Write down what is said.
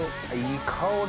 いい香り！